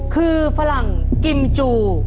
คือฝรั่งกิมจู